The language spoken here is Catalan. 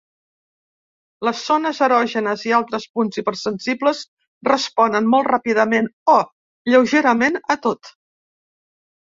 Les zones erògenes i altres punts hipersensibles responen molt ràpidament o lleugerament a tot.